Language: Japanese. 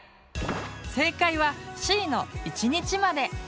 正解はＣの「１日まで」。